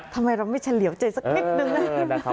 ทำไมเราไม่เฉลี่ยวใจสักนิดนึงนะ